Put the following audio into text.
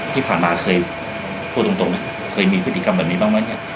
ที่ผ่านมาเคยพูดตรงนะเคยมีพฤติกรรมแบบนี้บ้างไหมเนี่ย